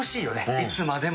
いつまでも。